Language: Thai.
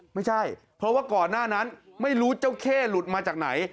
ไม่ใช่เพราะว่าก่อนหน้านั้นไม่รู้เจ้าเข้หลุดมาจากไหน